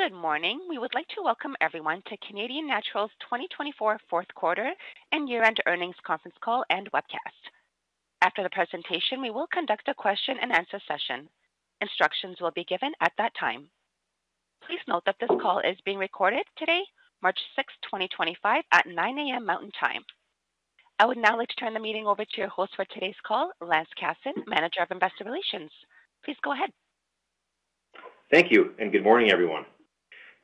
Good morning. We would like to welcome everyone to Canadian Natural's 2024 fourth quarter and year-end earnings conference call and webcast. After the presentation, we will conduct a Q&A session. Instructions will be given at that time. Please note that this call is being recorded today, March 6, 2025, at 9:00 A.M. Mountain Time. I would now like to turn the meeting over to your host for today's call, Lance Casson, Manager of Investor Relations. Please go ahead. Thank you, and good morning, everyone.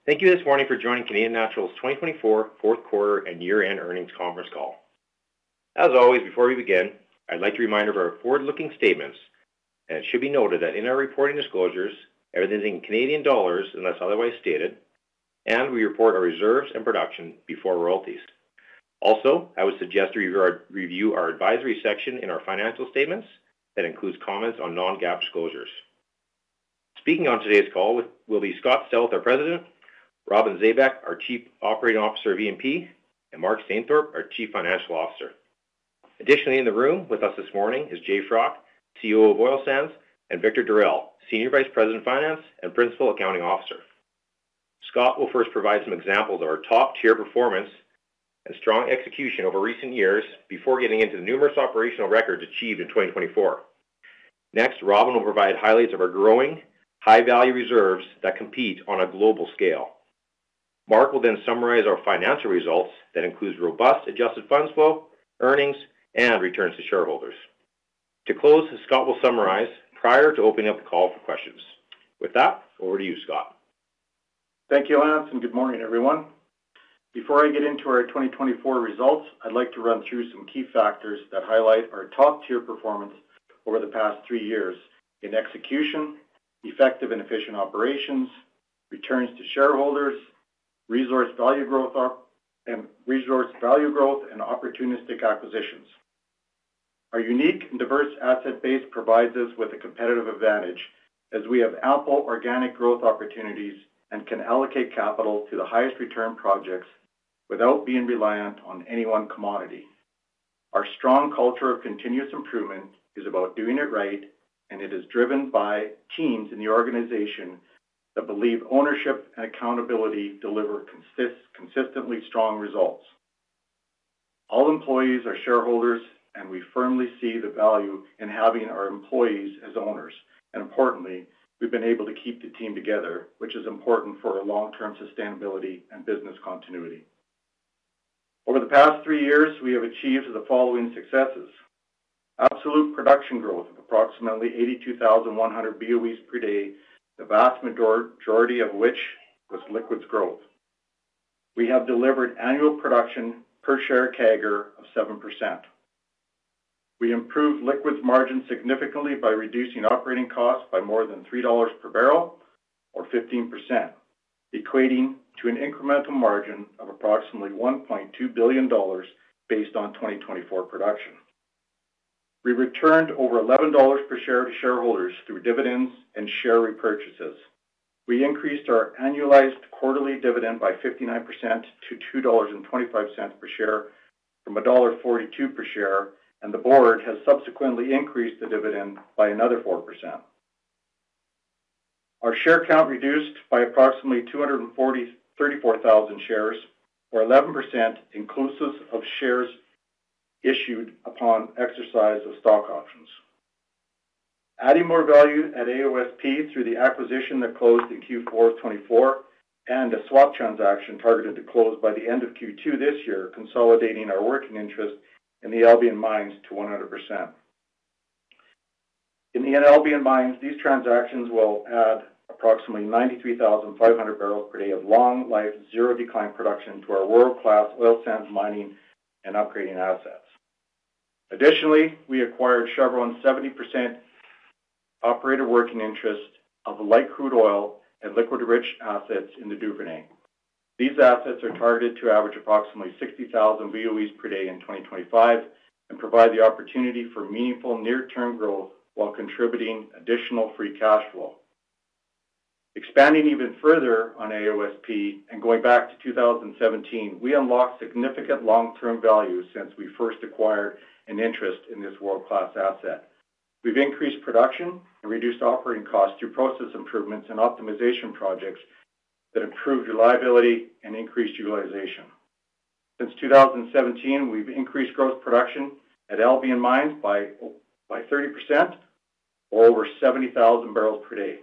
Thank you this morning for joining Canadian Natural's 2024 Fourth Quarter and Year-End Earnings Conference call. As always, before we begin, I'd like to remind you of our forward-looking statements. It should be noted that in our reporting disclosures, everything is in Canadian dollars unless otherwise stated, and we report our reserves and production before royalties. Also, I would suggest that you review our advisory section in our financial statements that includes comments on non-GAAP disclosures. Speaking on today's call will be Scott Stauth, our President, Robin Zabek, our Chief Operating Officer of E&P, and Mark Stainthorpe, our Chief Financial Officer. Additionally, in the room with us this morning is Jay Froc, CEO of Oil Sands, and Victor Darel, Senior Vice President of Finance and Principal Accounting Officer. Scott will first provide some examples of our top-tier performance and strong execution over recent years before getting into the numerous operational records achieved in 2024. Next, Robin will provide highlights of our growing high-value reserves that compete on a global scale. Mark will then summarize our financial results that include robust adjusted funds flow, earnings, and returns to shareholders. To close, Scott will summarize prior to opening up the call for questions. With that, over to you, Scott. Thank you, Lance, and good morning, everyone. Before I get into our 2024 results, I'd like to run through some key factors that highlight our top-tier performance over the past three years in execution, effective and efficient operations, returns to shareholders, resource value growth, and resource value growth and opportunistic acquisitions. Our unique and diverse asset base provides us with a competitive advantage as we have ample organic growth opportunities and can allocate capital to the highest-return projects without being reliant on any one commodity. Our strong culture of continuous improvement is about doing it right, and it is driven by teams in the organization that believe ownership and accountability deliver consistently strong results. All employees are shareholders, and we firmly see the value in having our employees as owners, and importantly, we've been able to keep the team together, which is important for our long-term sustainability and business continuity. Over the past three years, we have achieved the following successes: absolute production growth of approximately 82,100 BOEs per day, the vast majority of which was liquids growth. We have delivered annual production per share CAGR of 7%. We improved liquids margin significantly by reducing operating costs by more than 3 dollars per barrel, or 15%, equating to an incremental margin of approximately 1.2 billion dollars based on 2024 production. We returned over 11 dollars per share to shareholders through dividends and share repurchases. We increased our annualized quarterly dividend by 59% to 2.25 dollars per share from dollar 1.42 per share, and the board has subsequently increased the dividend by another 4%. Our share count reduced by approximately 234,000 shares, or 11% inclusive of shares issued upon exercise of stock options. Adding more value at AOSP through the acquisition that closed in Q4 of 2024 and a swap transaction targeted to close by the end of Q2 this year, consolidating our working interest in the Albian Mines to 100%. In the Albian Mines, these transactions will add approximately 93,500 barrels per day of long-life, zero-decline production to our world-class oil sands mining and upgrading assets. Additionally, we acquired Chevron's 70% operator working interest of light crude oil and liquids-rich assets in the Duvernay. These assets are targeted to average approximately 60,000 BOEs per day in 2025 and provide the opportunity for meaningful near-term growth while contributing additional free cash flow. Expanding even further on AOSP and going back to 2017, we unlocked significant long-term value since we first acquired an interest in this world-class asset. We've increased production and reduced operating costs through process improvements and optimization projects that improved reliability and increased utilization. Since 2017, we've increased gross production at Albian Mines by 30%, or over 70,000 barrels per day.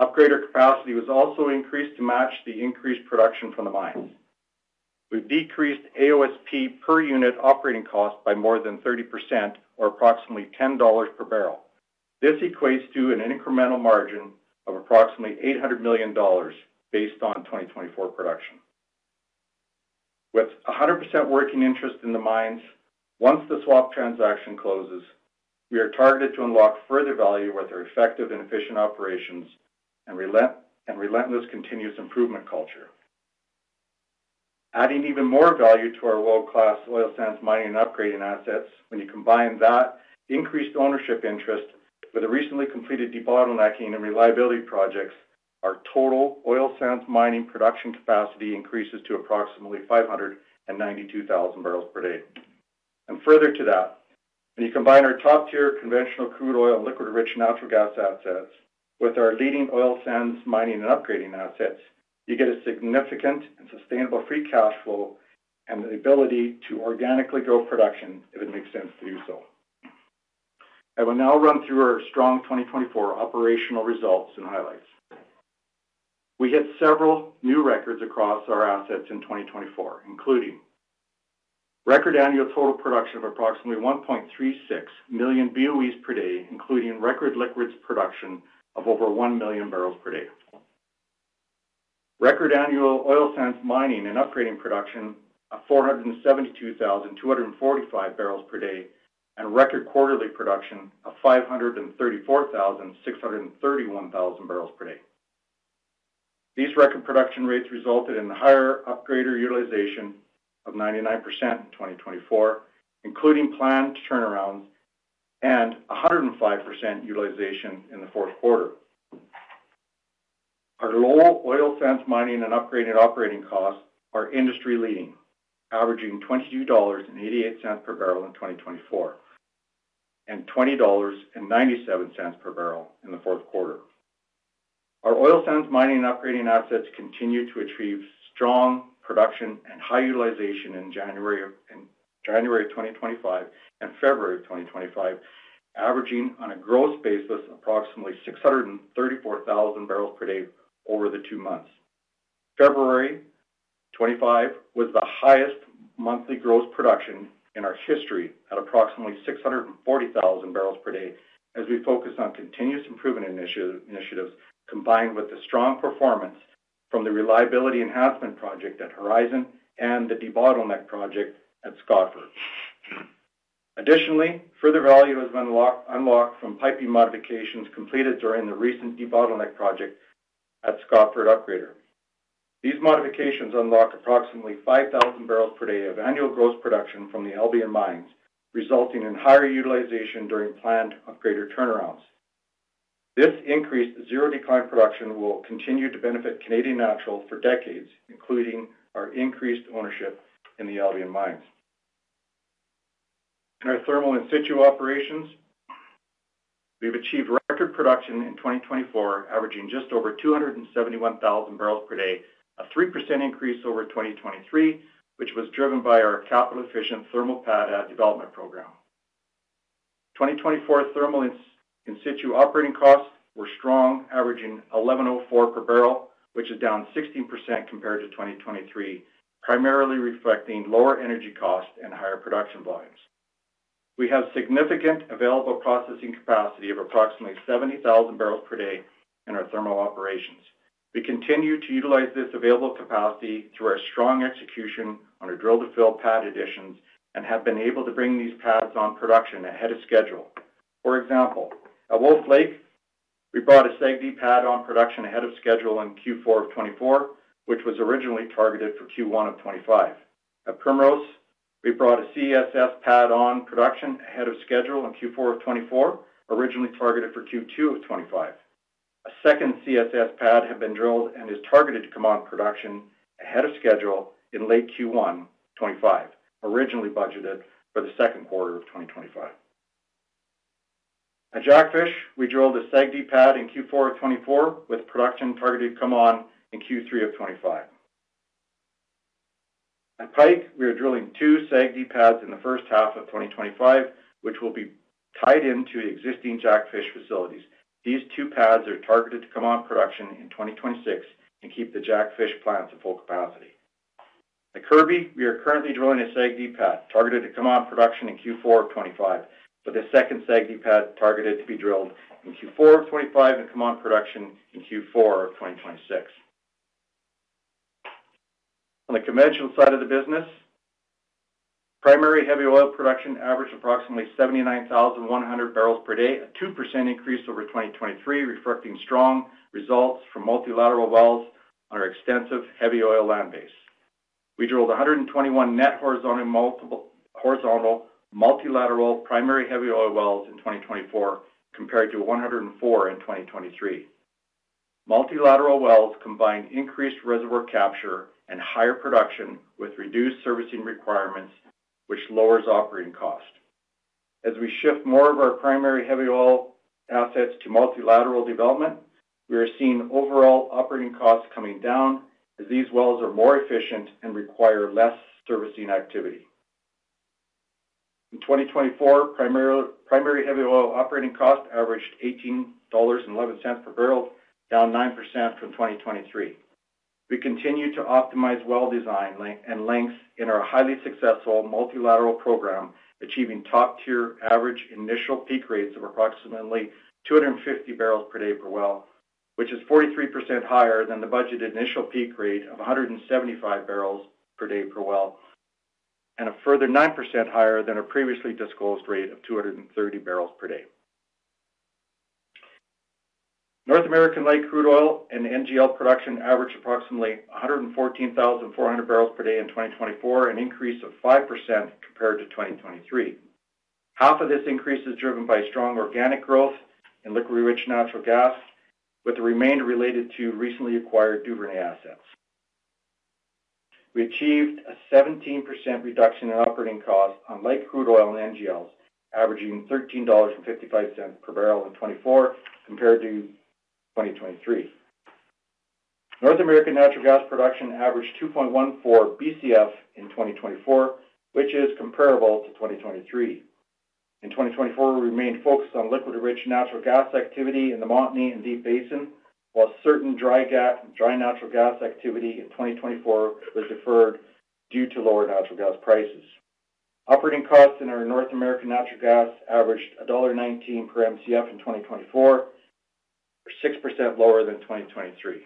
Upgrader capacity was also increased to match the increased production from the mines. We've decreased AOSP per unit operating cost by more than 30%, or approximately $10 per barrel. This equates to an incremental margin of approximately $800 million based on 2024 production. With 100% working interest in the mines, once the swap transaction closes, we are targeted to unlock further value with our effective and efficient operations and relentless continuous improvement culture. Adding even more value to our world-class oil sands mining and upgrading assets, when you combine that increased ownership interest with the recently completed debottlenecking and reliability projects, our total oil sands mining production capacity increases to approximately 592,000 barrels per day, and further to that, when you combine our top-tier conventional crude oil and liquids-rich natural gas assets with our leading oil sands mining and upgrading assets, you get a significant and sustainable free cash flow and the ability to organically grow production if it makes sense to do so. I will now run through our strong 2024 operational results and highlights. We hit several new records across our assets in 2024, including record annual total production of approximately 1.36 million BOEs per day, including record liquids production of over 1 million barrels per day. Record annual oil sands mining and upgrading production of 472,245 barrels per day and record quarterly production of 534,631 barrels per day. These record production rates resulted in higher upgrader utilization of 99% in 2024, including planned turnarounds and 105% utilization in the fourth quarter. Our low oil sands mining and upgrading operating costs are industry-leading, averaging 22.88 dollars per barrel in 2024 and 20.97 dollars per barrel in the fourth quarter. Our oil sands mining and upgrading assets continue to achieve strong production and high utilization in January of 2025 and February of 2025, averaging on a gross basis of approximately 634,000 barrels per day over the two months. February 2025 was the highest monthly gross production in our history at approximately 640,000 barrels per day as we focused on continuous improvement initiatives combined with the strong performance from the reliability enhancement project at Horizon and the debottleneck project at Scotford. Additionally, further value has been unlocked from piping modifications completed during the recent debottleneck project at Scotford Upgrader. These modifications unlock approximately 5,000 barrels per day of annual gross production from the Albian Mines, resulting in higher utilization during planned upgrader turnarounds. This increased zero-decline production will continue to benefit Canadian Natural for decades, including our increased ownership in the Albian Mines. In our thermal in situ operations, we've achieved record production in 2024, averaging just over 271,000 barrels per day, a 3% increase over 2023, which was driven by our capital-efficient thermal pad development program. 2024 thermal in situ operating costs were strong, averaging 11.04 per barrel, which is down 16% compared to 2023, primarily reflecting lower energy costs and higher production volumes. We have significant available processing capacity of approximately 70,000 barrels per day in our thermal operations. We continue to utilize this available capacity through our strong execution on our drill-to-fill pad additions and have been able to bring these pads on production ahead of schedule. For example, at Wolf Lake, we brought a SAGD pad on production ahead of schedule in Q4 of 2024, which was originally targeted for Q1 of 2025. At Primrose, we brought a CSS pad on production ahead of schedule in Q4 of 2024, originally targeted for Q2 of 2025. A second CSS pad had been drilled and is targeted to come on production ahead of schedule in late Q1 2025, originally budgeted for the second quarter of 2025. At Jackfish, we drilled a SAGD pad in Q4 of 2024 with production targeted to come on in Q3 of 2025. At Pike, we are drilling two SAGD pads in the first half of 2025, which will be tied into existing Jackfish facilities. These two pads are targeted to come on production in 2026 and keep the Jackfish plants at full capacity. At Kirby, we are currently drilling a SAGD pad targeted to come on production in Q4 of 2025, with a second SAGD pad targeted to be drilled in Q4 of 2025 and come on production in Q4 of 2026. On the conventional side of the business, primary heavy oil production averaged approximately 79,100 barrels per day, a 2% increase over 2023, reflecting strong results from multilateral wells on our extensive heavy oil land base. We drilled 121 net horizontal multilateral primary heavy oil wells in 2024, compared to 104 in 2023. Multilateral wells combine increased reservoir capture and higher production with reduced servicing requirements, which lowers operating cost. As we shift more of our primary heavy oil assets to multilateral development, we are seeing overall operating costs coming down as these wells are more efficient and require less servicing activity. In 2024, primary heavy oil operating cost averaged $18.11 per barrel, down 9% from 2023. We continue to optimize well design and length in our highly successful multilateral program, achieving top-tier average initial peak rates of approximately 250 barrels per day per well, which is 43% higher than the budgeted initial peak rate of 175 barrels per day per well and a further 9% higher than our previously disclosed rate of 230 barrels per day. North American light crude oil and NGL production averaged approximately 114,400 barrels per day in 2024, an increase of 5% compared to 2023. Half of this increase is driven by strong organic growth and liquids-rich natural gas, with the remainder related to recently acquired Duvernay assets. We achieved a 17% reduction in operating costs on light crude oil and NGLs, averaging 13.55 dollars per barrel in 2024 compared to 2023. North American natural gas production averaged 2.14 BCF in 2024, which is comparable to 2023. In 2024, we remained focused on liquids-rich natural gas activity in the Montney and Deep Basin, while certain dry natural gas activity in 2024 was deferred due to lower natural gas prices. Operating costs in our North American natural gas averaged dollar 1.19 per MCF in 2024, 6% lower than 2023.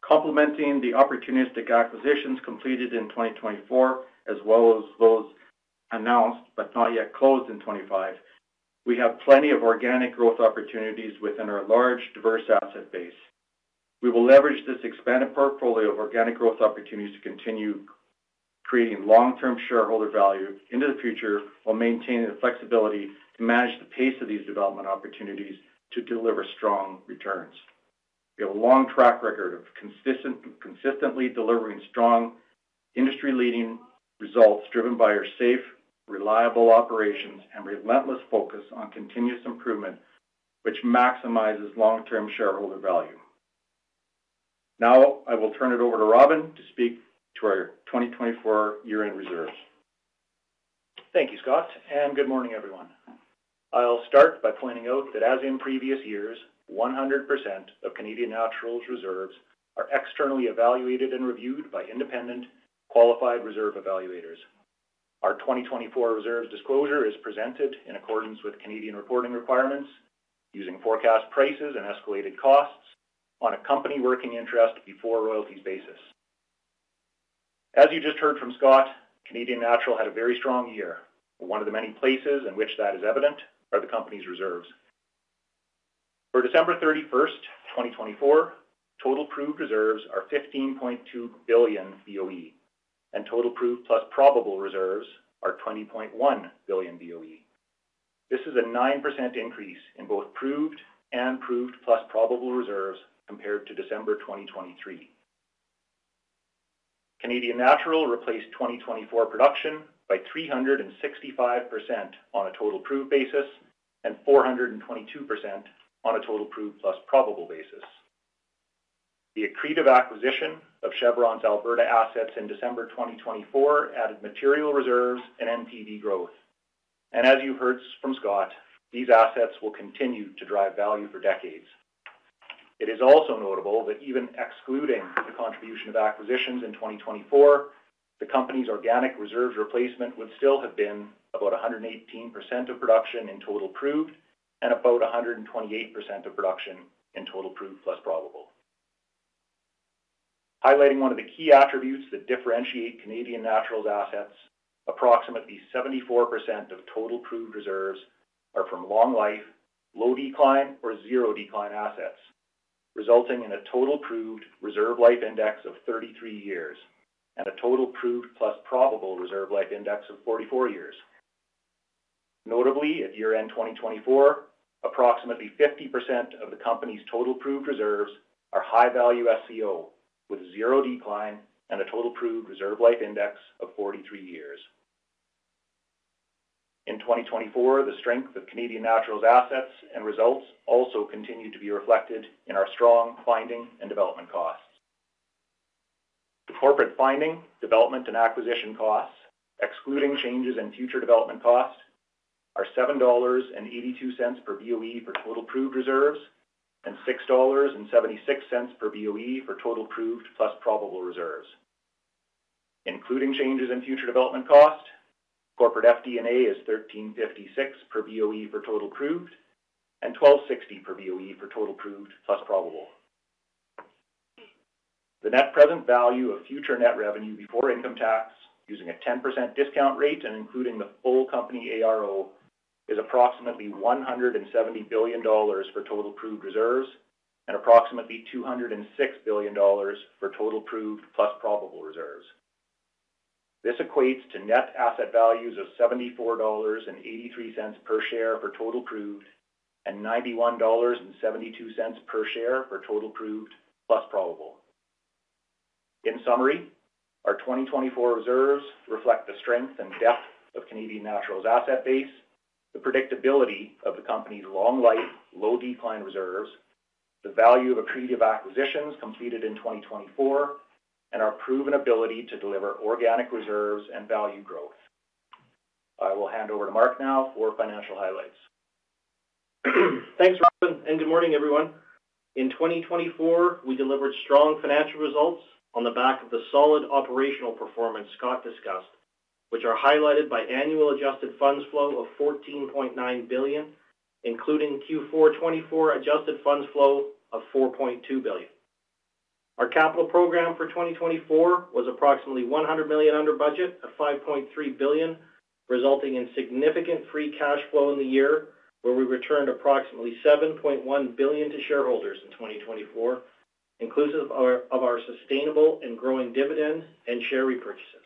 Complementing the opportunistic acquisitions completed in 2024, as well as those announced but not yet closed in 2025, we have plenty of organic growth opportunities within our large, diverse asset base. We will leverage this expanded portfolio of organic growth opportunities to continue creating long-term shareholder value into the future while maintaining the flexibility to manage the pace of these development opportunities to deliver strong returns. We have a long track record of consistently delivering strong, industry-leading results driven by our safe, reliable operations and relentless focus on continuous improvement, which maximizes long-term shareholder value. Now, I will turn it over to Robin to speak to our 2024 year-end reserves. Thank you, Scott, and good morning, everyone. I'll start by pointing out that, as in previous years, 100% of Canadian Natural's reserves are externally evaluated and reviewed by independent qualified reserve evaluators. Our 2024 reserves disclosure is presented in accordance with Canadian reporting requirements, using forecast prices and escalated costs on a company working interest before royalties basis. As you just heard from Scott, Canadian Natural had a very strong year. One of the many places in which that is evident are the company's reserves. For December 31st, 2024, total proved reserves are 15.2 billion BOE, and total proved plus probable reserves are 20.1 billion BOE. This is a 9% increase in both proved and proved plus probable reserves compared to December 2023. Canadian Natural replaced 2024 production by 365% on a total proved basis and 422% on a total proved plus probable basis. The accretive acquisition of Chevron's Alberta assets in December 2024 added material reserves and NPV growth. And as you heard from Scott, these assets will continue to drive value for decades. It is also notable that even excluding the contribution of acquisitions in 2024, the company's organic reserves replacement would still have been about 118% of production in total proved and about 128% of production in total proved plus probable. Highlighting one of the key attributes that differentiate Canadian Natural's assets, approximately 74% of total proved reserves are from long-life, low-decline, or zero-decline assets, resulting in a total proved reserve life index of 33 years and a total proved plus probable reserve life index of 44 years. Notably, at year-end 2024, approximately 50% of the company's total proved reserves are high-value SCO with zero decline and a total proved reserve life index of 43 years. In 2024, the strength of Canadian Natural's assets and results also continued to be reflected in our strong finding and development costs. The corporate finding, development, and acquisition costs, excluding changes in future development cost, are 7.82 dollars per BOE for total proved reserves and 6.76 dollars per BOE for total proved plus probable reserves. Including changes in future development cost, corporate FD&A is 13.56 per BOE for total proved and 12.60 per BOE for total proved plus probable. The net present value of future net revenue before income tax, using a 10% discount rate and including the full company ARO, is approximately 170 billion dollars for total proved reserves and approximately 206 billion dollars for total proved plus probable reserves. This equates to net asset values of 74.83 dollars per share for total proved and 91.72 dollars per share for total proved plus probable. In summary, our 2024 reserves reflect the strength and depth of Canadian Natural's asset base, the predictability of the company's long-life, low-decline reserves, the value of accretive acquisitions completed in 2024, and our proven ability to deliver organic reserves and value growth. I will hand over to Mark now for financial highlights. Thanks, Robin, and good morning, everyone. In 2024, we delivered strong financial results on the back of the solid operational performance Scott discussed, which are highlighted by annual adjusted funds flow of 14.9 billion, including Q4 2024 adjusted funds flow of 4.2 billion. Our capital program for 2024 was approximately 100 million under budget of 5.3 billion, resulting in significant free cash flow in the year, where we returned approximately 7.1 billion to shareholders in 2024, inclusive of our sustainable and growing dividend and share repurchases.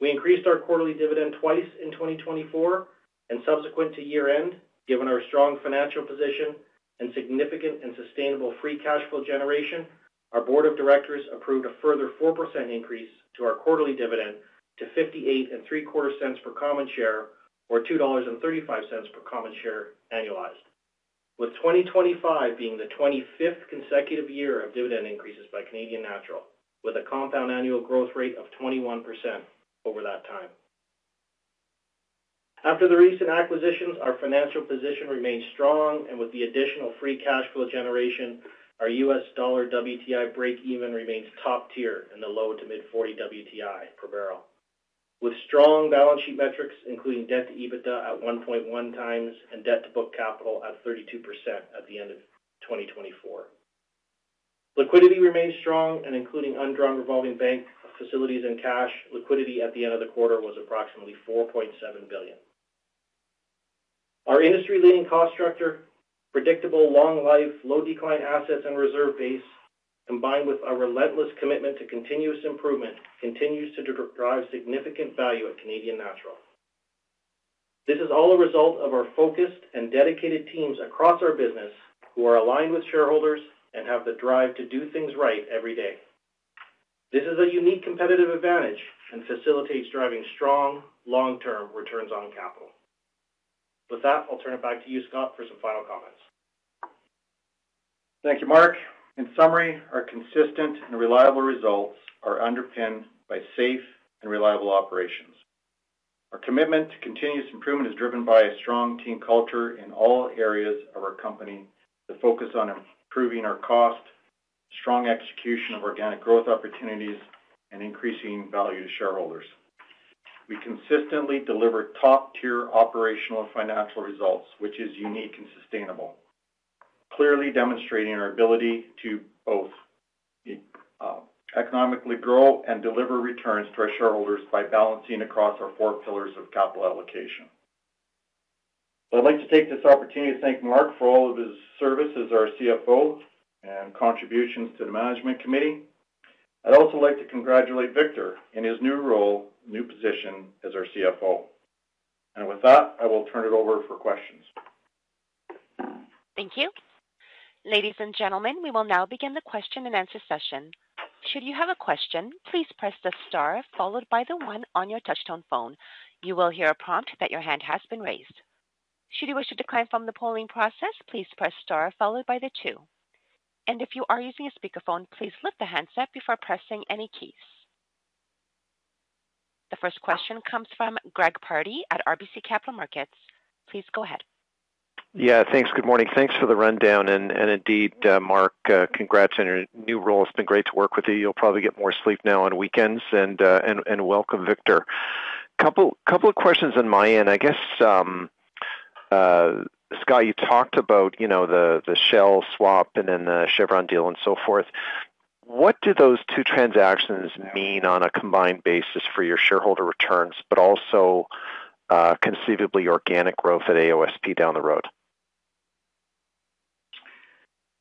We increased our quarterly dividend twice in 2024, and subsequent to year-end, given our strong financial position and significant and sustainable free cash flow generation, our board of directors approved a further 4% increase to our quarterly dividend to $58.75 per common share or $2.35 per common share annualized, with 2025 being the 25th consecutive year of dividend increases by Canadian Natural, with a compound annual growth rate of 21% over that time. After the recent acquisitions, our financial position remained strong, and with the additional free cash flow generation, our U.S. dollar WTI break-even remains top tier in the low to mid-40 WTI per barrel, with strong balance sheet metrics, including debt to EBITDA at 1.1 times and debt to book capital at 32% at the end of 2024. Liquidity remained strong, and including undrawn revolving bank facilities and cash, liquidity at the end of the quarter was approximately 4.7 billion. Our industry-leading cost structure, predictable long-life, low-decline assets and reserve base, combined with our relentless commitment to continuous improvement, continues to drive significant value at Canadian Natural. This is all a result of our focused and dedicated teams across our business who are aligned with shareholders and have the drive to do things right every day. This is a unique competitive advantage and facilitates driving strong, long-term returns on capital. With that, I'll turn it back to you, Scott, for some final comments. Thank you, Mark. In summary, our consistent and reliable results are underpinned by safe and reliable operations. Our commitment to continuous improvement is driven by a strong team culture in all areas of our company to focus on improving our cost, strong execution of organic growth opportunities, and increasing value to shareholders. We consistently deliver top-tier operational and financial results, which is unique and sustainable, clearly demonstrating our ability to both economically grow and deliver returns to our shareholders by balancing across our four pillars of capital allocation. I'd like to take this opportunity to thank Mark for all of his service as our CFO and contributions to the management committee. I'd also like to congratulate Victor in his new role, new position as our CFO. With that, I will turn it over for questions. Thank you. Ladies and gentlemen, we will now begin the question and answer session. Should you have a question, please press the star followed by the one on your touch-tone phone. You will hear a prompt that your hand has been raised. Should you wish to decline from the polling process, please press star followed by the two. And if you are using a speakerphone, please lift the handset before pressing any keys. The first question comes from Greg Pardy at RBC Capital Markets. Please go ahead. Yeah, thanks. Good morning. Thanks for the rundown. And indeed, Mark, congrats on your new role. It's been great to work with you. You'll probably get more sleep now on weekends. And welcome, Victor. Couple of questions on my end. I guess, Scott, you talked about the Shell swap and then the Chevron deal and so forth. What do those two transactions mean on a combined basis for your shareholder returns, but also conceivably organic growth at AOSP down the road?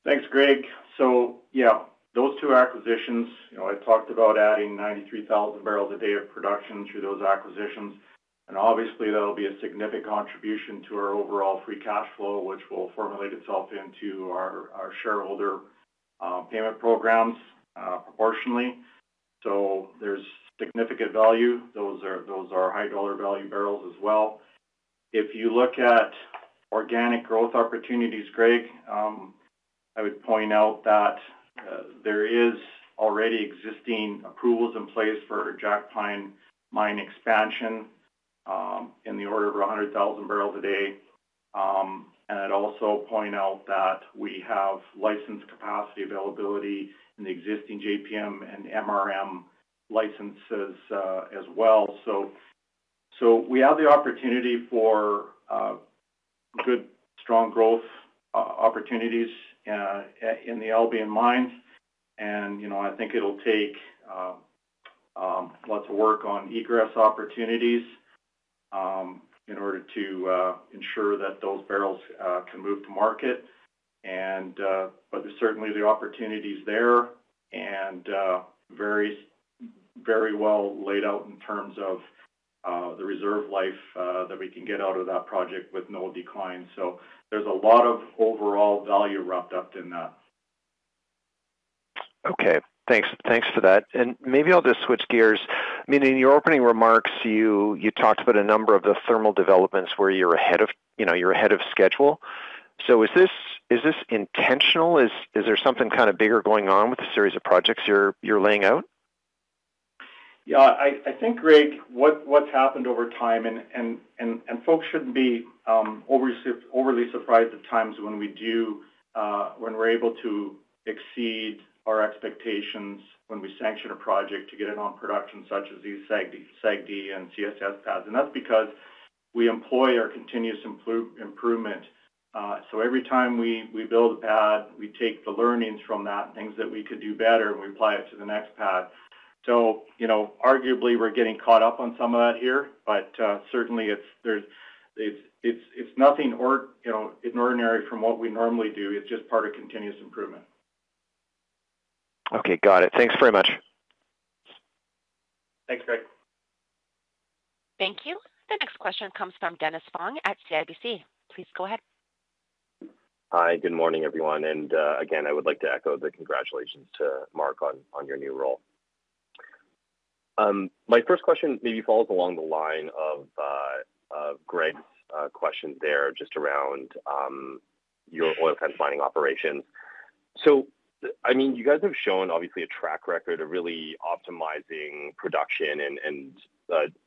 Thanks, Greg. So yeah, those two acquisitions, I talked about adding 93,000 barrels a day of production through those acquisitions. And obviously, that'll be a significant contribution to our overall free cash flow, which will formulate itself into our shareholder payment programs proportionally. So there's significant value. Those are high-dollar value barrels as well. If you look at organic growth opportunities, Greg, I would point out that there are already existing approvals in place for Jackpine Mine expansion in the order of 100,000 barrels a day. And I'd also point out that we have licensed capacity availability in the existing JPM and MRM licenses as well. So we have the opportunity for good, strong growth opportunities in the Albian Mines. And I think it'll take lots of work on egress opportunities in order to ensure that those barrels can move to market. But there's certainly the opportunities there and very well laid out in terms of the reserve life that we can get out of that project with no decline. So there's a lot of overall value wrapped up in that. Okay. Thanks for that. And maybe I'll just switch gears. I mean, in your opening remarks, you talked about a number of the thermal developments where you're ahead of schedule. So is this intentional? Is there something kind of bigger going on with the series of projects you're laying out? Yeah. I think, Greg, what's happened over time, and folks shouldn't be overly surprised at times when we're able to exceed our expectations when we sanction a project to get it on production such as these SAGD and CSS pads. And that's because we employ our continuous improvement. So every time we build a pad, we take the learnings from that and things that we could do better, and we apply it to the next pad. So arguably, we're getting caught up on some of that here, but certainly, it's nothing out of the ordinary from what we normally do. It's just part of continuous improvement. Okay. Got it. Thanks very much. Thanks, Greg. Thank you. The next question comes from Dennis Fong at CIBC. Please go ahead. Hi. Good morning, everyone. And again, I would like to echo the congratulations to Mark on your new role. My first question maybe falls along the line of Greg's question there just around your oil sands mining operations. I mean, you guys have shown, obviously, a track record of really optimizing production and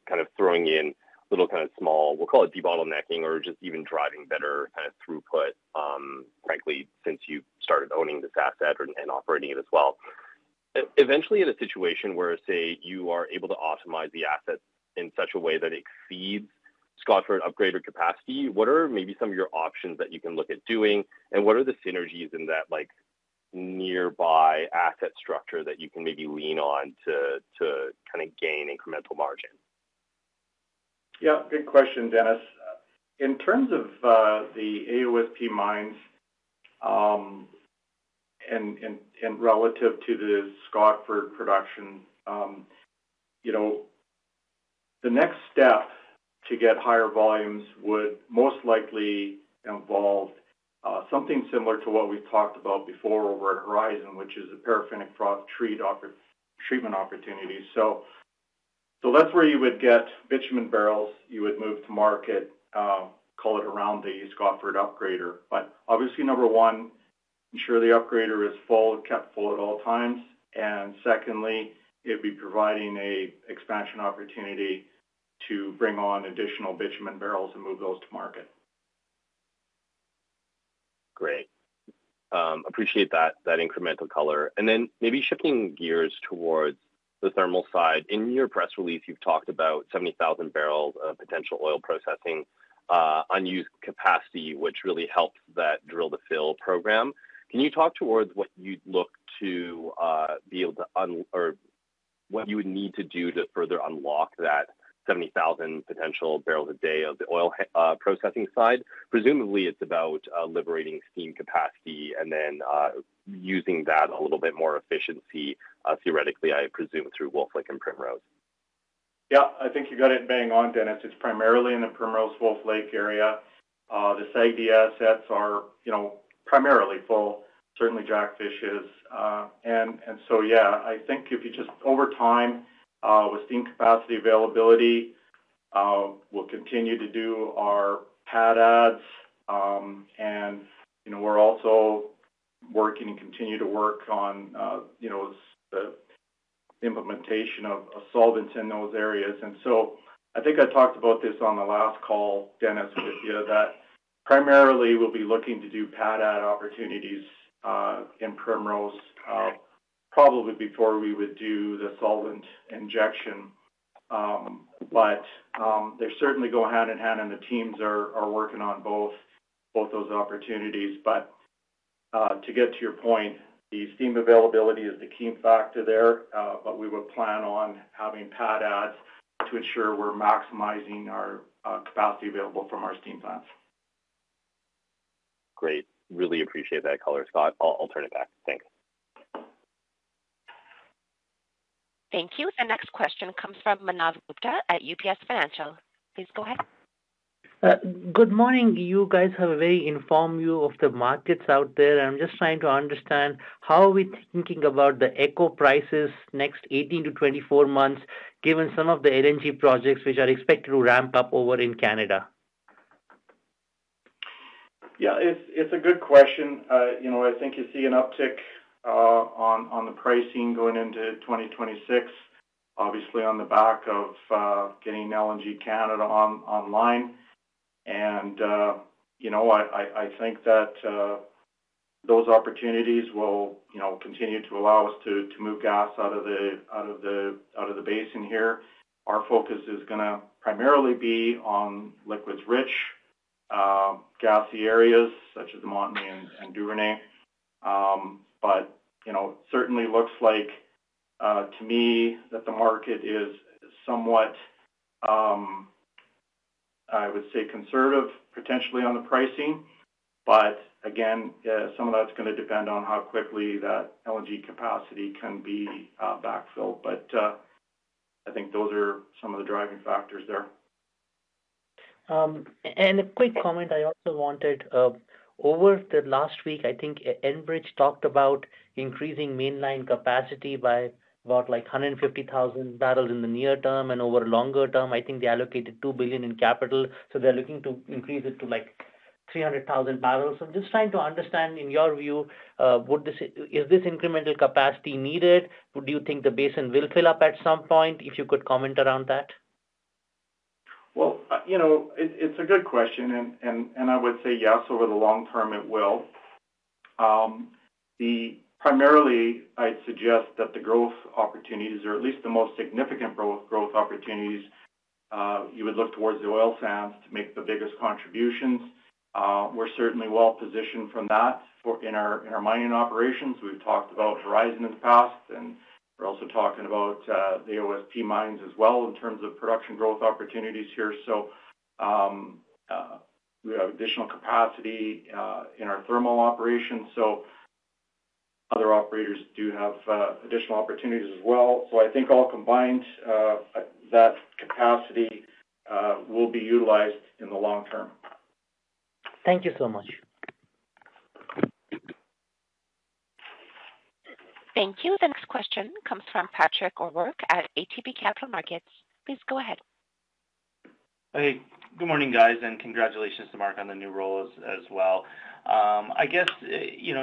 kind of throwing in little kind of small, we'll call it debottlenecking or just even driving better kind of throughput, frankly, since you started owning this asset and operating it as well. Eventually, in a situation where, say, you are able to optimize the asset in such a way that it exceeds Scotford upgrader capacity, what are maybe some of your options that you can look at doing? And what are the synergies in that nearby asset structure that you can maybe lean on to kind of gain incremental margin? Yeah. Good question, Dennis. In terms of the AOSP Mines and relative to the Scotford production, the next step to get higher volumes would most likely involve something similar to what we've talked about before over at Horizon, which is a paraffinic froth treatment opportunity. So that's where you would get bitumen barrels. You would move to market, call it around the Scotford upgrader. But obviously, number one, ensure the upgrader is full, kept full at all times. And secondly, it'd be providing an expansion opportunity to bring on additional bitumen barrels and move those to market. Great. Appreciate that incremental color. And then maybe shifting gears towards the thermal side. In your press release, you've talked about 70,000 barrels of potential oil processing unused capacity, which really helps that drill-to-fill program. Can you talk towards what you'd look to be able to or what you would need to do to further unlock that 70,000 potential barrels a day of the oil processing side? Presumably, it's about liberating steam capacity and then using that a little bit more efficiency, theoretically, I presume, through Wolf Lake and Primrose. Yeah. I think you got it bang on, Dennis. It's primarily in the Primrose, Wolf Lake area. The SAGD assets are primarily full. Certainly, Jackfish is. And so yeah, I think if you just over time with steam capacity availability, we'll continue to do our pad adds. And we're also working and continue to work on the implementation of solvents in those areas. And so I think I talked about this on the last call, Dennis, with you, that primarily we'll be looking to do pad add opportunities in Primrose, probably before we would do the solvent injection. But they're certainly going hand in hand, and the teams are working on both those opportunities. But to get to your point, the steam availability is the key factor there, but we would plan on having pad adds to ensure we're maximizing our capacity available from our steam plants. Great. Really appreciate that color, Scott. I'll turn it back. Thanks. Thank you. The next question comes from Manav Gupta at UBS Financial. Please go ahead. Good morning. You guys have a very informed view of the markets out there. I'm just trying to understand how are we thinking about the AECO prices next 18-24 months, given some of the LNG projects which are expected to ramp up over in Canada? Yeah. It's a good question. I think you see an uptick on the pricing going into 2026, obviously on the back of getting LNG Canada online. And I think that those opportunities will continue to allow us to move gas out of the basin here. Our focus is going to primarily be on liquids-rich, gassy areas such as the Montney and Duvernay. But certainly, it looks like to me that the market is somewhat, I would say, conservative potentially on the pricing. But again, some of that's going to depend on how quickly that LNG capacity can be backfilled. But I think those are some of the driving factors there. And a quick comment I also wanted. Over the last week, I think Enbridge talked about increasing mainline capacity by about 150,000 barrels in the near term. And over a longer term, I think they allocated 2 billion in capital. So they're looking to increase it to 300,000 barrels. So I'm just trying to understand, in your view, is this incremental capacity needed? Do you think the basin will fill up at some point? If you could comment around that. Well, it's a good question. And I would say yes, over the long term, it will. Primarily, I'd suggest that the growth opportunities, or at least the most significant growth opportunities, you would look towards the oil sands to make the biggest contributions. We're certainly well positioned from that in our mining operations. We've talked about Horizon in the past, and we're also talking about the AOSP Mines as well in terms of production growth opportunities here. So we have additional capacity in our thermal operations. So other operators do have additional opportunities as well. So I think all combined, that capacity will be utilized in the long term. Thank you so much. Thank you. The next question comes from Patrick O'Rourke at ATB Capital Markets. Please go ahead. Hey. Good morning, guys. And congratulations to Mark on the new role as well. I guess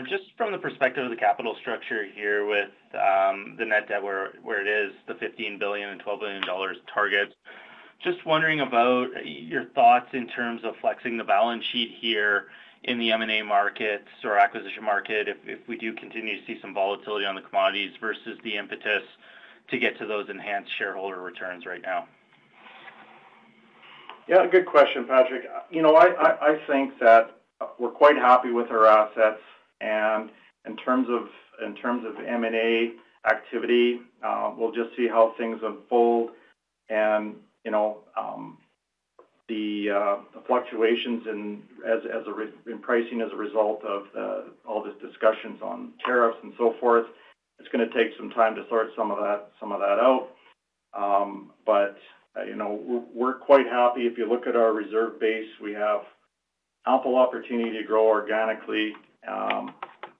just from the perspective of the capital structure here with the net debt where it is, the 15 billion and 12 billion dollars targets, just wondering about your thoughts in terms of flexing the balance sheet here in the M&A markets or acquisition market if we do continue to see some volatility on the commodities versus the impetus to get to those enhanced shareholder returns right now. Yeah. Good question, Patrick. I think that we're quite happy with our assets. And in terms of M&A activity, we'll just see how things unfold. And the fluctuations in pricing as a result of all this discussions on tariffs and so forth, it's going to take some time to sort some of that out. But we're quite happy. If you look at our reserve base, we have ample opportunity to grow organically.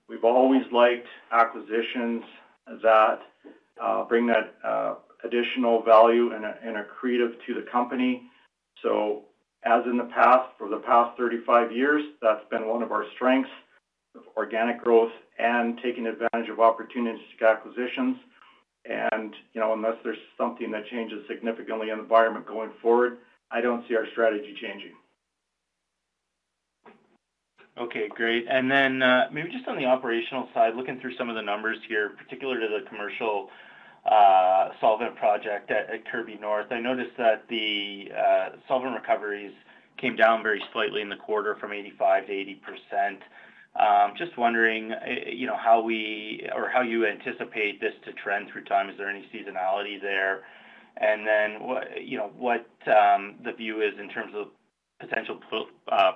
We've always liked acquisitions that bring that additional value and accretive to the company. So as in the past, for the past 35 years, that's been one of our strengths, organic growth and taking advantage of opportunistic acquisitions. And unless there's something that changes significantly in the environment going forward, I don't see our strategy changing. Okay. Great. And then maybe just on the operational side, looking through some of the numbers here, particularly the commercial solvent project at Kirby North, I noticed that the solvent recoveries came down very slightly in the quarter from 85%-80%. Just wondering how you anticipate this to trend through time. Is there any seasonality there? And then what the view is in terms of potential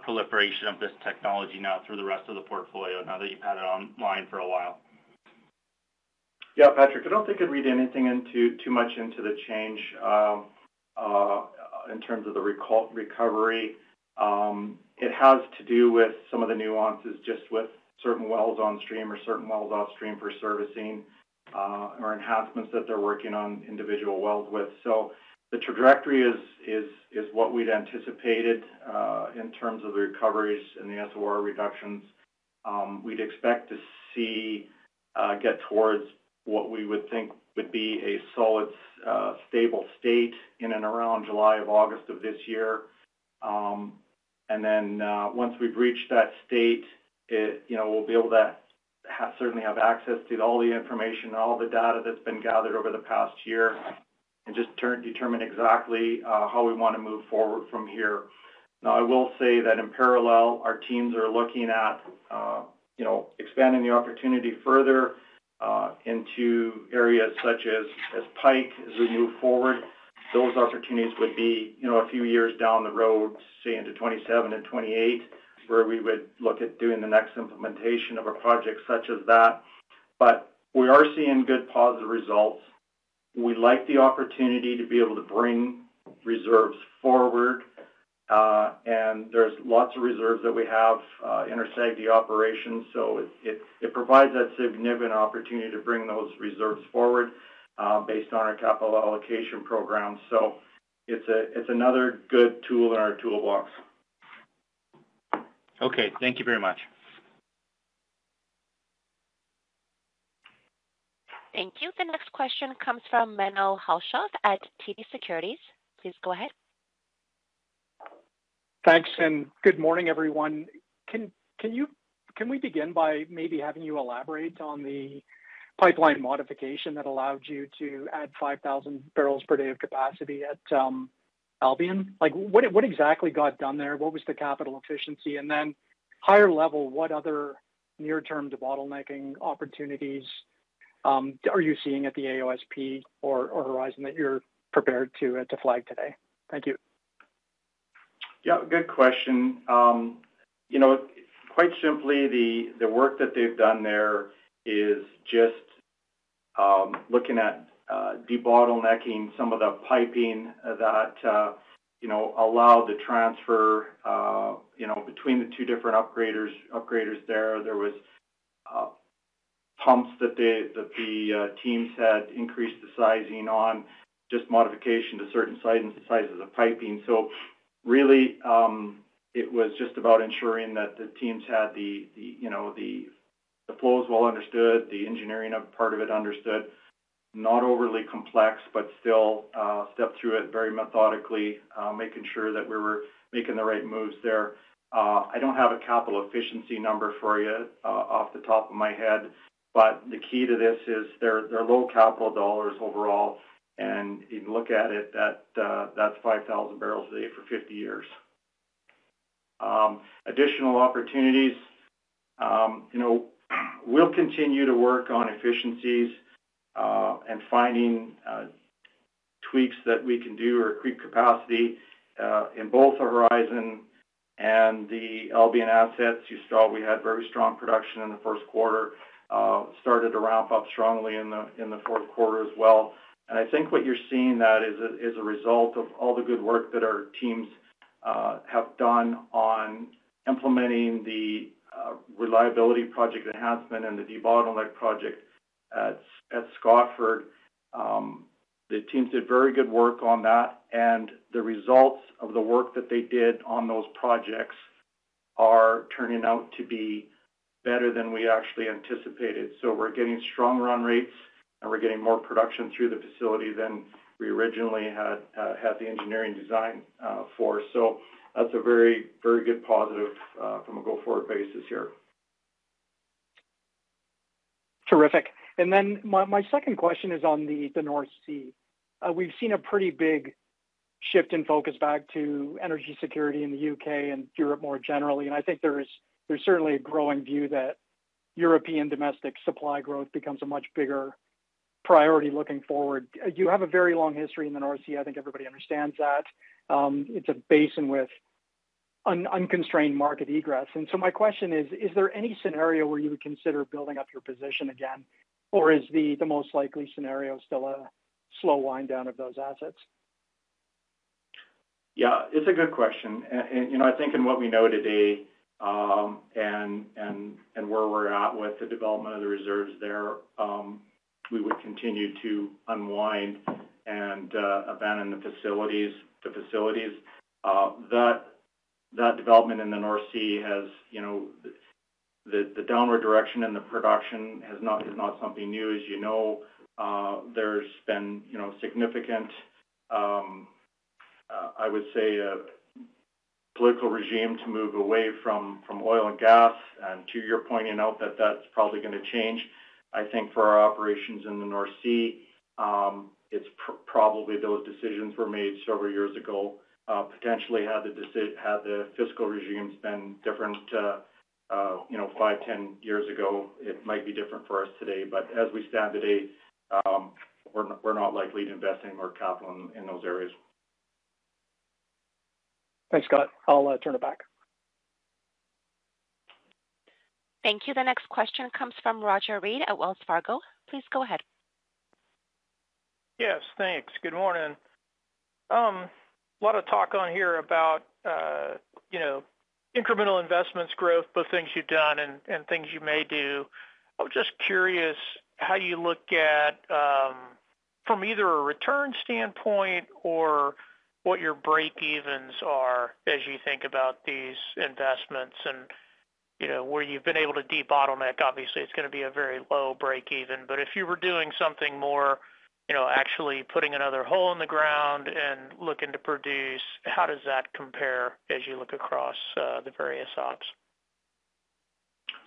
proliferation of this technology now through the rest of the portfolio now that you've had it online for a while. Yeah. Patrick, I don't think I'd read anything too much into the change in terms of the recovery. It has to do with some of the nuances just with certain wells on stream or certain wells off stream for servicing or enhancements that they're working on individual wells with. So the trajectory is what we'd anticipated in terms of the recoveries and the SOR reductions. We'd expect to see it get towards what we would think would be a solid, stable state in and around July or August of this year. And then once we've reached that state, we'll be able to certainly have access to all the information and all the data that's been gathered over the past year and just determine exactly how we want to move forward from here. Now, I will say that in parallel, our teams are looking at expanding the opportunity further into areas such as Pike as we move forward. Those opportunities would be a few years down the road, say into 2027 and 2028, where we would look at doing the next implementation of a project such as that. But we are seeing good positive results. We like the opportunity to be able to bring reserves forward. And there's lots of reserves that we have in our SAGD operations. So it provides that significant opportunity to bring those reserves forward based on our capital allocation program. So it's another good tool in our toolbox. Okay. Thank you very much. Thank you. The next question comes from Menno Hulshof at TD Securities. Please go ahead. Thanks. And good morning, everyone. Can we begin by maybe having you elaborate on the pipeline modification that allowed you to add 5,000 barrels per day of capacity at Albian? What exactly got done there? What was the capital efficiency? And then higher level, what other near-term debottlenecking opportunities are you seeing at the AOSP or Horizon that you're prepared to flag today? Thank you. Yeah. Good question. Quite simply, the work that they've done there is just looking at debottlenecking some of the piping that allowed the transfer between the two different upgraders there. There were pumps that the teams had increased the sizing on, just modification to certain sizes of piping. So really, it was just about ensuring that the teams had the flows well understood, the engineering part of it understood, not overly complex, but still stepped through it very methodically, making sure that we were making the right moves there. I don't have a capital efficiency number for you off the top of my head, but the key to this is they're low capital dollars overall. And you look at it, that's 5,000 barrels a day for 50 years. Additional opportunities, we'll continue to work on efficiencies and finding tweaks that we can do or increase capacity in both Horizon and the Albian assets. You saw we had very strong production in the first quarter, started to ramp up strongly in the fourth quarter as well. And I think what you're seeing that is a result of all the good work that our teams have done on implementing the reliability project enhancement and the debottleneck project at Scotford. The teams did very good work on that. And the results of the work that they did on those projects are turning out to be better than we actually anticipated. So we're getting strong run rates, and we're getting more production through the facility than we originally had the engineering design for. So that's a very, very good positive from a go-forward basis here. Terrific. And then my second question is on the North Sea. We've seen a pretty big shift in focus back to energy security in the U.K. and Europe more generally. I think there's certainly a growing view that European domestic supply growth becomes a much bigger priority looking forward. You have a very long history in the North Sea. I think everybody understands that. It's a basin with unconstrained market egress. And so my question is, is there any scenario where you would consider building up your position again? Or is the most likely scenario still a slow wind down of those assets? Yeah. It's a good question. I think in what we know today and where we're at with the development of the reserves there, we would continue to unwind and abandon the facilities. That development in the North Sea has the downward direction in the production is not something new. As you know, there's been significant, I would say, political regime to move away from oil and gas. And to your pointing out that that's probably going to change, I think for our operations in the North Sea, it's probably those decisions were made several years ago. Potentially, had the fiscal regimes been different five, 10 years ago, it might be different for us today. But as we stand today, we're not likely to invest any more capital in those areas. Thanks, Scott. I'll turn it back. Thank you. The next question comes from Roger Read at Wells Fargo. Please go ahead. Yes. Thanks. Good morning. A lot of talk on here about incremental investments, growth, both things you've done and things you may do. I'm just curious how you look at from either a return standpoint or what your break-evens are as you think about these investments and where you've been able to debottleneck. Obviously, it's going to be a very low break-even. But if you were doing something more, actually putting another hole in the ground and looking to produce, how does that compare as you look across the various ops?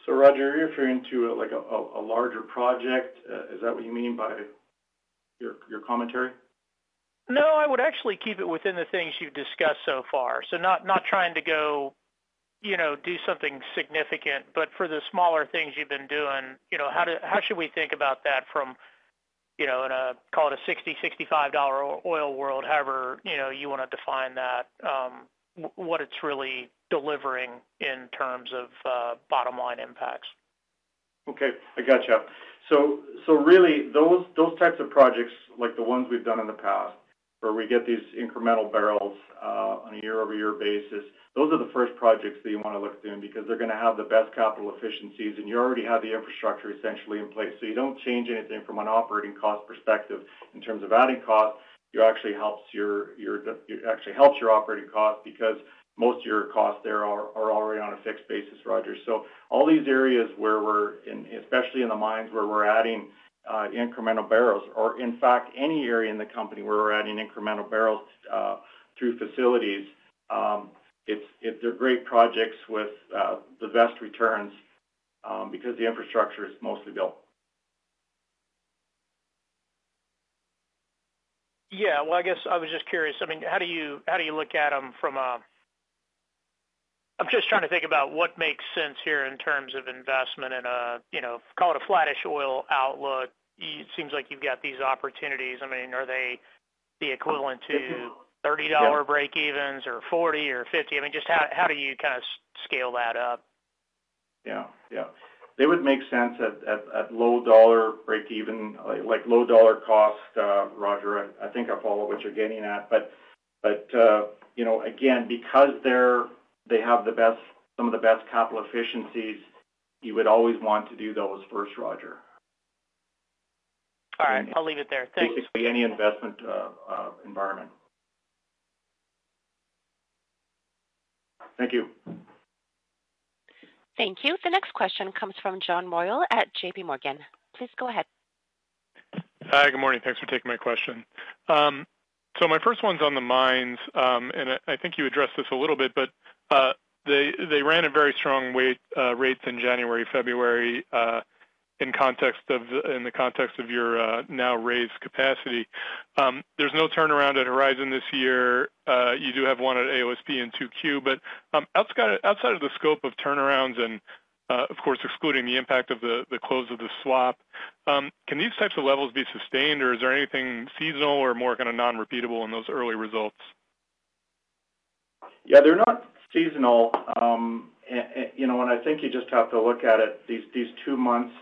So Roger, you're referring to a larger project. Is that what you mean by your commentary? No. I would actually keep it within the things you've discussed so far. So not trying to go do something significant. But for the smaller things you've been doing, how should we think about that from, call it a $60-$65 oil world, however you want to define that, what it's really delivering in terms of bottom-line impacts? Okay. I gotcha. So really, those types of projects, like the ones we've done in the past where we get these incremental barrels on a year-over-year basis, those are the first projects that you want to look at doing because they're going to have the best capital efficiencies. And you already have the infrastructure essentially in place. So you don't change anything from an operating cost perspective in terms of adding cost. You actually help your operating cost because most of your costs there are already on a fixed basis, Roger. So all these areas where we're, especially in the mines where we're adding incremental barrels, or in fact, any area in the company where we're adding incremental barrels through facilities, they're great projects with the best returns because the infrastructure is mostly built. Yeah. Well, I guess I was just curious. I mean, how do you look at them from a, I'm just trying to think about what makes sense here in terms of investment in a, call it a flattish oil outlook. It seems like you've got these opportunities. I mean, are they the equivalent to $30 break-evens or $40 or $50? I mean, just how do you kind of scale that up? Yeah. Yeah. They would make sense at low-dollar break-even, like low-dollar cost, Roger. I think I follow what you're getting at. But again, because they have some of the best capital efficiencies, you would always want to do those first, Roger. All right. I'll leave it there. Thanks. Basically, any investment environment. Thank you. Thank you. The next question comes from John Royall at J.P. Morgan. Please go ahead. Hi. Good morning. Thanks for taking my question. So my first one's on the mines.I think you addressed this a little bit, but they ran at very strong rates in January, February in the context of your now raised capacity. There's no turnaround at Horizon this year. You do have one at AOSP and 2Q. But outside of the scope of turnarounds and, of course, excluding the impact of the close of the swap, can these types of levels be sustained, or is there anything seasonal or more kind of non-repeatable in those early results? Yeah. They're not seasonal. And I think you just have to look at it. These two months,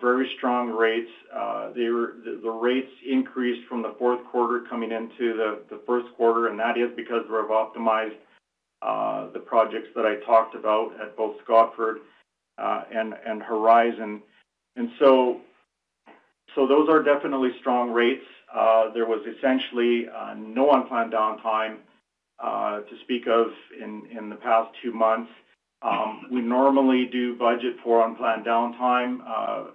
very strong rates. The rates increased from the fourth quarter coming into the first quarter. And that is because we've optimized the projects that I talked about at both Scotford and Horizon. And so those are definitely strong rates. There was essentially no unplanned downtime to speak of in the past two months. We normally do budget for unplanned downtime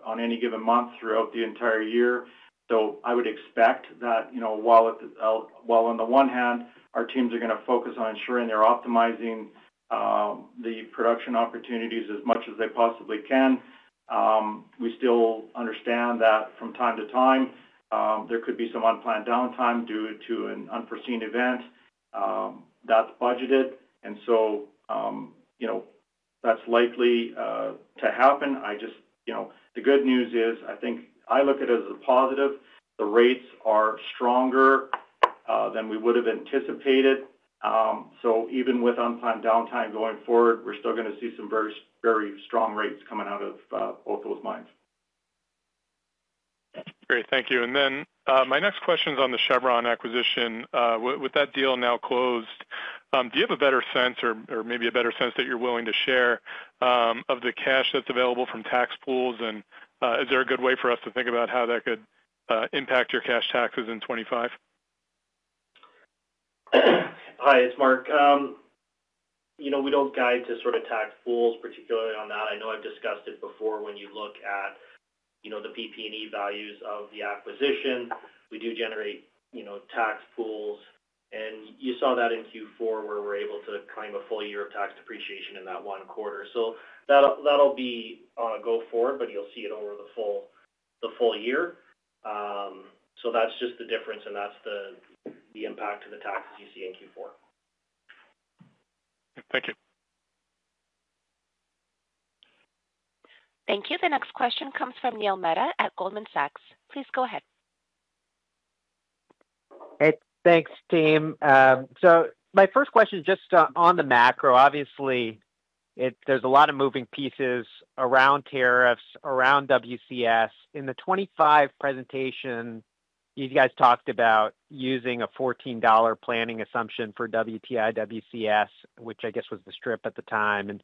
on any given month throughout the entire year. So I would expect that while on the one hand, our teams are going to focus on ensuring they're optimizing the production opportunities as much as they possibly can, we still understand that from time to time, there could be some unplanned downtime due to an unforeseen event. That's budgeted. And so that's likely to happen. The good news is, I think I look at it as a positive. The rates are stronger than we would have anticipated. So even with unplanned downtime going forward, we're still going to see some very strong rates coming out of both of those mines. Great. Thank you. And then my next question is on the Chevron acquisition. With that deal now closed, do you have a better sense or maybe a better sense that you're willing to share of the cash that's available from tax pools? And is there a good way for us to think about how that could impact your cash taxes in 2025? Hi. It's Mark. We don't guide to sort of tax pools, particularly on that. I know I've discussed it before when you look at the PP&E values of the acquisition. We do generate tax pools. And you saw that in Q4 where we're able to claim a full year of tax depreciation in that one quarter. So that'll be on a go-forward, but you'll see it over the full year. So that's just the difference, and that's the impact of the taxes you see in Q4. Thank you. Thank you. The next question comes from Neil Mehta at Goldman Sachs.Please go ahead. Thanks, Team. So my first question is just on the macro. Obviously, there's a lot of moving pieces around tariffs, around WCS. In the '25 presentation, you guys talked about using a $14 planning assumption for WTI, WCS, which I guess was the strip at the time. And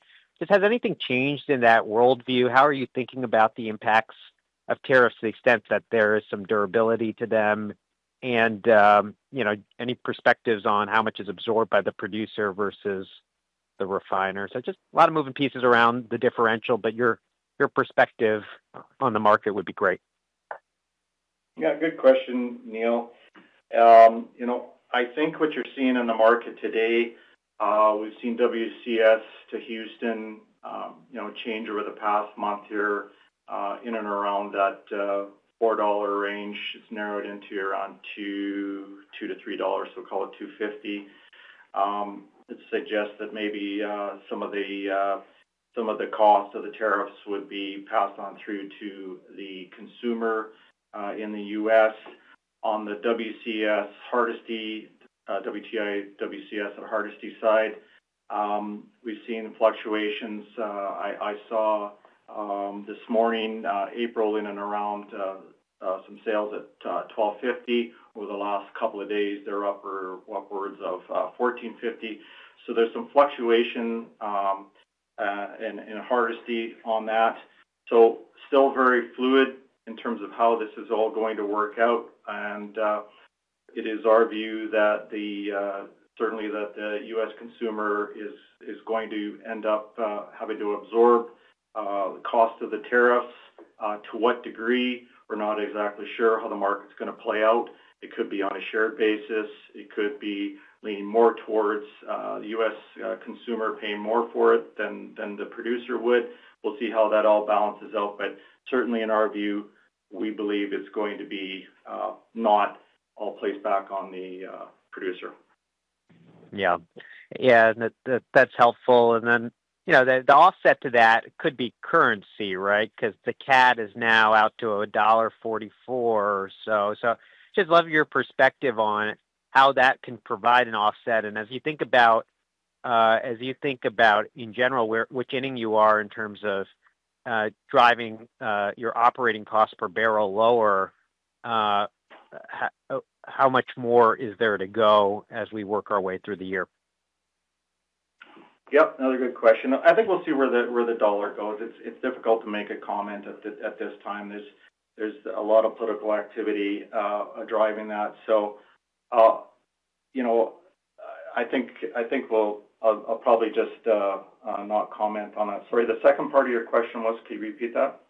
has anything changed in that worldview? How are you thinking about the impacts of tariffs to the extent that there is some durability to them? And any perspectives on how much is absorbed by the producer versus the refiner? So just a lot of moving pieces around the differential, but your perspective on the market would be great. Yeah. Good question, Neil. I think what you're seeing in the market today, we've seen WCS to Houston change over the past month here in and around that $4 range. It's narrowed into around $2-$3, so call it $2.50. It suggests that maybe some of the cost of the tariffs would be passed on through to the consumer in the U.S. On the WTI, WCS at Hardisty side, we've seen fluctuations. I saw this morning, April, in and around some sales at $12.50. Over the last couple of days, they're upwards of $14.50, so there's some fluctuation in Hardisty on that, so still very fluid in terms of how this is all going to work out, and it is our view that certainly that the U.S. consumer is going to end up having to absorb the cost of the tariffs. To what degree? We're not exactly sure how the market's going to play out. It could be on a shared basis. It could be leaning more towards the U.S. consumer paying more for it than the producer would. We'll see how that all balances out. But certainly, in our view, we believe it's going to be not all placed back on the producer. Yeah. Yeah. That's helpful. And then the offset to that could be currency, right? Because the CAD is now out to dollar 1.44 or so. So I just love your perspective on how that can provide an offset. And as you think about, in general, which ending you are in terms of driving your operating cost per barrel lower, how much more is there to go as we work our way through the year? Yep. Another good question. I think we'll see where the dollar goes. It's difficult to make a comment at this time. There's a lot of political activity driving that. So I think I'll probably just not comment on that. Sorry. The second part of your question was, can you repeat that?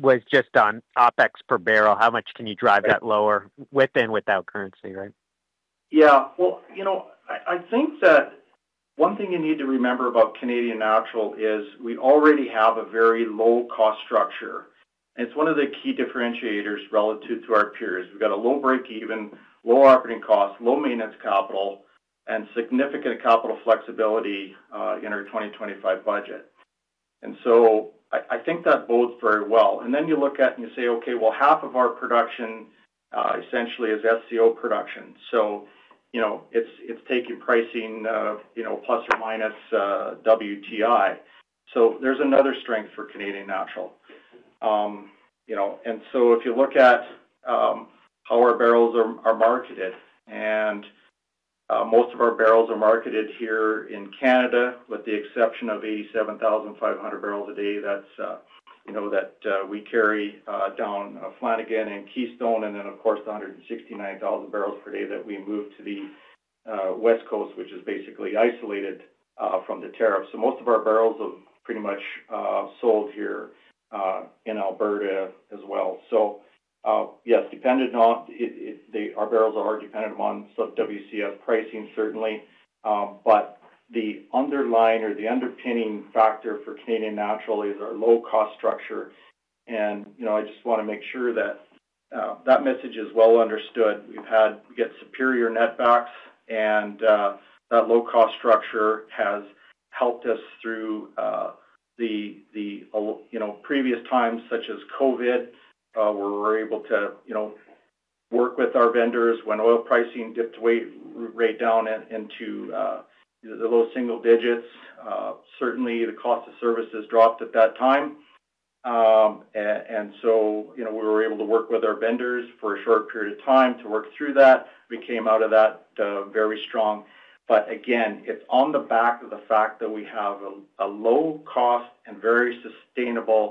Was just on OpEx per barrel. How much can you drive that lower with and without currency, right? Yeah. Well, I think that one thing you need to remember about Canadian Natural is we already have a very low-cost structure, and it's one of the key differentiators relative to our peers. We've got a low break-even, low operating cost, low maintenance capital, and significant capital flexibility in our 2025 budget. And so I think that bodes very well. And then you look at and you say, "Okay. Well, half of our production essentially is SCO production. So it's taking pricing plus or minus WTI." So there's another strength for Canadian Natural. And so if you look at how our barrels are marketed, and most of our barrels are marketed here in Canada, with the exception of 87,500 barrels a day that we carry down Flanagan and Keystone, and then, of course, the 169,000 barrels per day that we move to the West Coast, which is basically isolated from the tariff. So most of our barrels are pretty much sold here in Alberta as well. So yes, our barrels are dependent on some WCS pricing, certainly. But the underlying or the underpinning factor for Canadian Natural is our low-cost structure. And I just want to make sure that that message is well understood. We get superior netbacks, and that low-cost structure has helped us through the previous times such as COVID, where we were able to work with our vendors when oil pricing dipped right down into the low single digits. Certainly, the cost of services dropped at that time. And so we were able to work with our vendors for a short period of time to work through that. We came out of that very strong. But again, it's on the back of the fact that we have a low-cost and very sustainable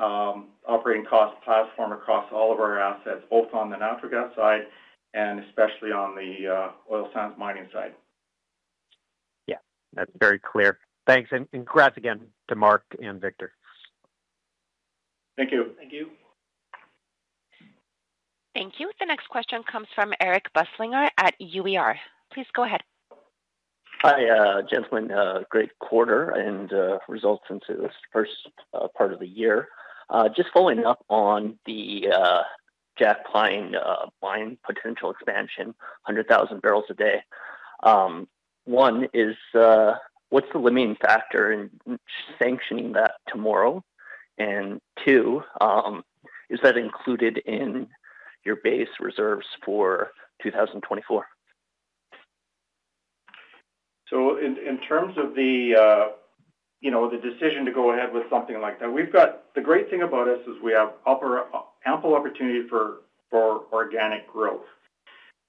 operating cost platform across all of our assets, both on the natural gas side and especially on the oil sands mining side. Yeah. That's very clear. Thanks. And congrats again to Mark and Victor. Thank you. Thank you. Thank you. The next question comes from Eric Busslinger at UER. Please go ahead. Hi, gentlemen. Great quarter and results in the first part of the year. Just following up on the Jackpine Mine potential expansion, 100,000 barrels a day. One is, what's the limiting factor in sanctioning that tomorrow? And two, is that included in your base reserves for 2024? So in terms of the decision to go ahead with something like that, the great thing about us is we have ample opportunity for organic growth.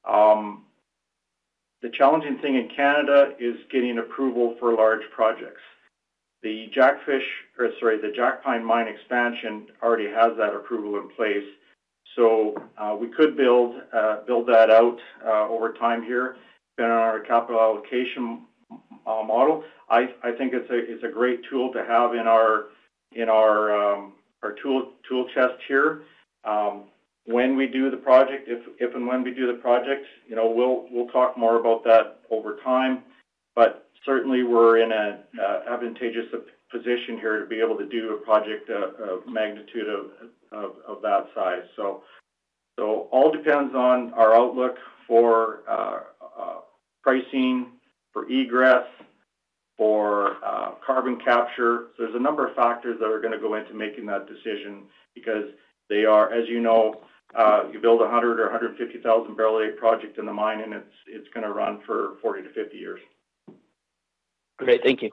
The challenging thing in Canada is getting approval for large projects. The Jackpine Mine expansion already has that approval in place. So we could build that out over time here based on our capital allocation model. I think it's a great tool to have in our tool chest here. When we do the project, if and when we do the project, we'll talk more about that over time. But certainly, we're in an advantageous position here to be able to do a project of the magnitude of that size. So all depends on our outlook for pricing, for egress, for carbon capture. So there's a number of factors that are going to go into making that decision because they are, as you know, you build a 100,000 or 150,000 barrel-a-day project in the mine, and it's going to run for 40 to 50 years. Great. Thank you.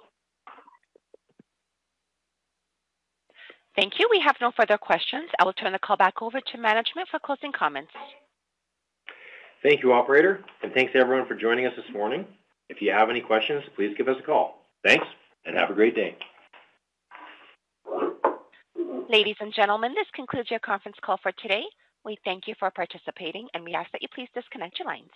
Thank you. We have no further questions. I will turn the call back over to management for closing comments. Thank you, operator. And thanks to everyone for joining us this morning. If you have any questions, please give us a call. Thanks, and have a great day. Ladies and gentlemen, this concludes your conference call for today. We thank you for participating, and we ask that you please disconnect your lines.